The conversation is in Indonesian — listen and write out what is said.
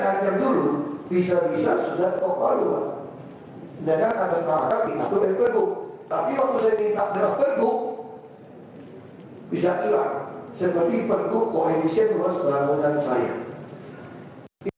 saya melihat perjanjian yang diadakan tahun sembilan puluh tujuh ini